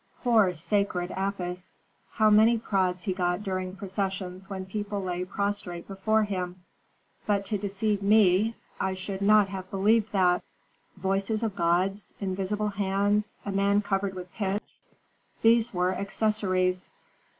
Poor sacred Apis! how many prods he got during processions when people lay prostrate before him! But to deceive me, I should not have believed that, voices of gods, invisible hands, a man covered with pitch; these were accessories!